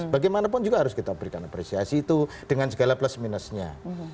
bagaimanapun juga harus kita berikan apresiasi itu dengan segala plus minusnya